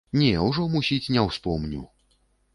Не, ужо, мусіць, не ўспомню!